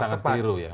sangat keliru ya